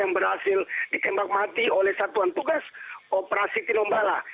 yang berhasil ditembak mati oleh satuan tugas operasi tinombala